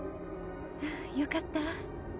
よかった。